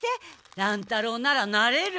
乱太郎ならなれる。